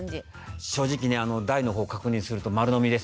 正直ね大のほうを確認すると丸飲みですね。